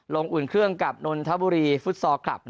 อุ่นเครื่องกับนนทบุรีฟุตซอลคลับ